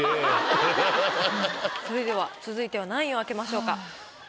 それでは続いては何位を開けましょうか？